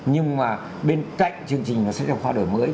nhưng mà bên cạnh chương trình sách giáo khoa đổi mới